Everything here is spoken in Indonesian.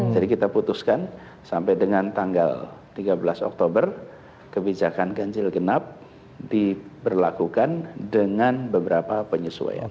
jadi kita putuskan sampai dengan tanggal tiga belas oktober kebijakan ganjil genap diberlakukan dengan beberapa penyesuaian